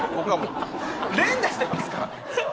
連打してますからね。